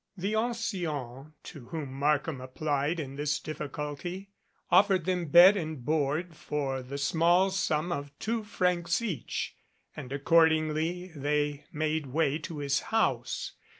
The ancien to whom Markham applied in this difficulty offered them bed and board for the small sum of two francs each, and accordingly they made way to his house.